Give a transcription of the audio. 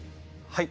はい。